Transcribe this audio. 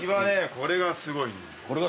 これがすごいって。